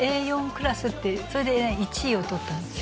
Ａ４クラスってそれで１位を取ったんです